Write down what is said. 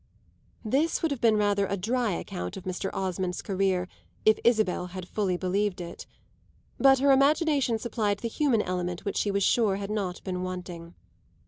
This would have been rather a dry account of Mr. Osmond's career if Isabel had fully believed it; but her imagination supplied the human element which she was sure had not been wanting.